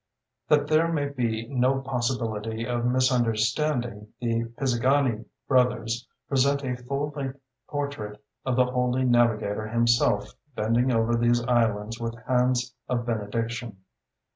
That there may be no possibility of misunderstanding, the Pizigani brothers present a full length portrait of the holy navigator himself bending over these islands with hands of benediction.